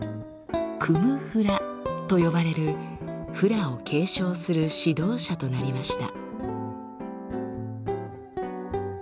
「クム・フラ」と呼ばれるフラを継承する指導者となりました。